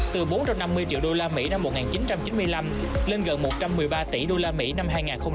từ bốn năm triệu usd năm một nghìn chín trăm chín mươi năm lên gần một trăm một mươi ba tỷ usd năm hai nghìn hai mươi một